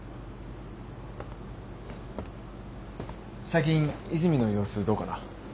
最近和泉の様子どうかな？